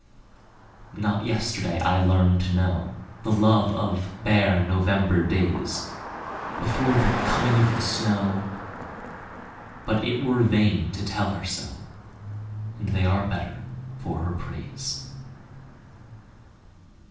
Not yesterday I learned to knowThe love of bare November daysBefore the coming of the snow, But it were vain to tell her so, And they are better for her praise.